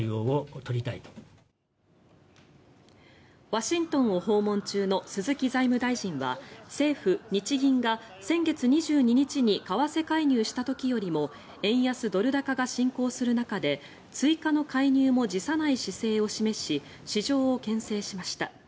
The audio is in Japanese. ワシントンを訪問中の鈴木財務大臣は政府、日銀が先月２２日に為替介入した時よりも円安・ドル高が進行する中で追加の介入も辞さない姿勢を示し市場をけん制しました。